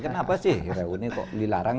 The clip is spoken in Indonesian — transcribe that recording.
kenapa sih reuni kok dilarang